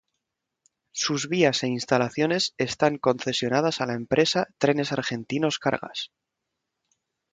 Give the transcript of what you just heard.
Sus vías e instalaciones están concesionadas a la empresa Trenes Argentinos Cargas.